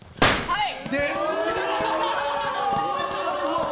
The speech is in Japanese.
はい。